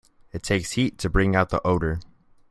It takes heat to bring out the odor.